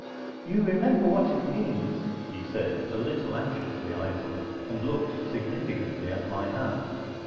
"You remember what it means," he said, a little anxiously I thought, and looked significantly at my hand.